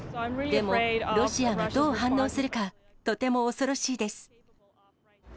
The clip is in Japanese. でもロシアがどう反応するか、とても恐ろしいです。